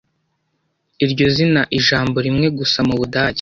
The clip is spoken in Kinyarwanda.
iryo zina ijambo rimwe gusa mu budage